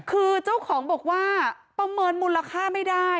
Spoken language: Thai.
คือเจ้าของบอกว่าประเมินมูลค่าไม่ได้